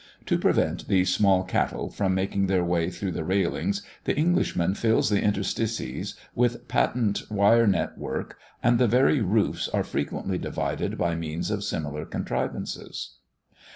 To prevent these small cattle from making their way through the railings, the Englishman fills the interstices with patent wire net work, and the very roofs are frequently divided by means, of similar contrivances.